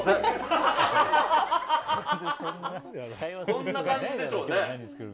こんな感じでしょうね。